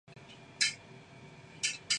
He was incarcerated for one and a third years.